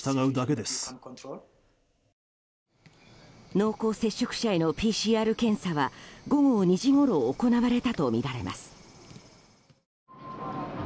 濃厚接触者へのＰＣＲ検査は午後２時ごろ行われたとみられます。